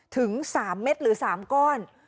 ถึง๓เม็ดหรือ๓ก้อน